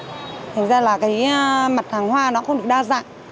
thành ra là cái mặt hàng hoa nó không được đa dạng